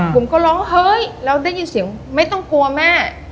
ผมก็ร้องเฮ้ยแล้วได้ยินเสียงไม่ต้องกลัวแม่